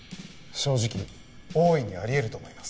正直大いにあり得ると思います。